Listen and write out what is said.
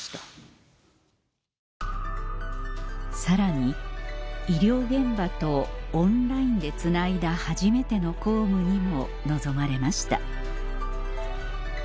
さらに医療現場とオンラインでつないだ初めての公務にも臨まれました